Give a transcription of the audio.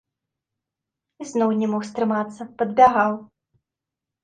Ізноў не мог стрымацца, падбягаў.